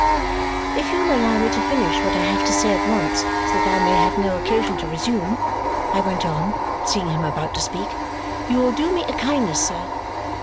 "If you will allow me to finish what I have to say at once so that I may have no occasion to resume," I went on, seeing him about to speak, "you will do me a kindness, sir.